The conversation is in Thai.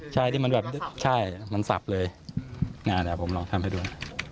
ใช่ที่มันแบบใช่มันสับเลยอ่าเดี๋ยวผมลองทำให้ดู